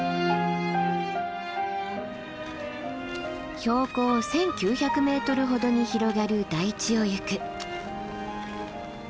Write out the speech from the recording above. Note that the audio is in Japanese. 標高１，９００ｍほどに広がる台地を行く。